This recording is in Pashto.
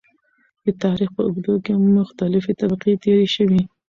د تاريخ په اوږدو کې مختلفې طبقې تېرې شوي .